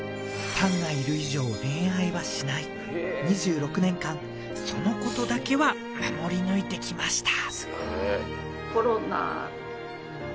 ファンがいる以上恋愛はしない２６年間そのことだけは守り抜いてきました